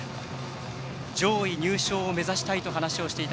上位入賞を目指したいと話していた、